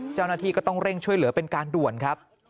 เจ้าหน้าที่ก็ต้องเร่งช่วยเหลือเป็นการด่วนครับ